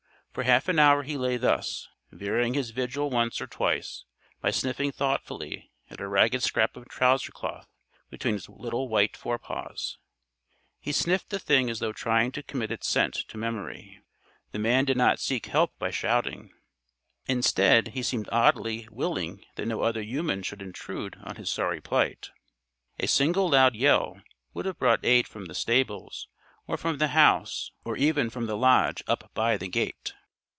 For half an hour he lay thus, varying his vigil once or twice by sniffing thoughtfully at a ragged scrap of trouser cloth between his little white forepaws. He sniffed the thing as though trying to commit its scent to memory. The man did not seek help by shouting. Instead, he seemed oddly willing that no other human should intrude on his sorry plight. A single loud yell would have brought aid from the stables or from the house or even from the lodge up by the gate.